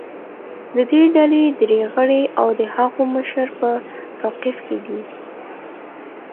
د دې ډلې درې غړي او د هغو مشر په توقیف کې دي